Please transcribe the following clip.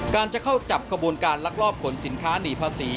การจะเข้าจับขบวนการรักรอบขนสินค้านีภาษี